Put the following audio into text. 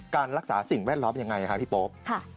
การรักษาสิ่งแวดรถยังไงพี่โป๊ม